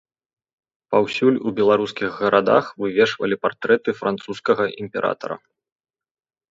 Паўсюль у беларускіх гарадах вывешвалі партрэты французскага імператара.